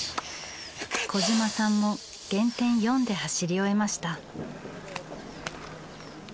小嶋さんも減点４で走り終えました。